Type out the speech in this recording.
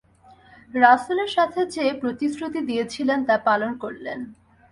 রাসূলের সাথে যে প্রতিশ্রুতি দিয়েছিলেন তা পালন করলেন।